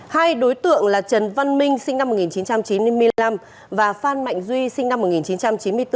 hai đối tượng là trần văn minh sinh năm một nghìn chín trăm chín mươi năm và phan mạnh duy sinh năm một nghìn chín trăm chín mươi bốn